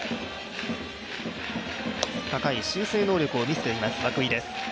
高い修正能力を見せています、涌井です。